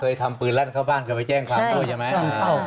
เคยทำปืนลั่นเข้าบ้านกันไปแจ้งความโทษใช่ไหม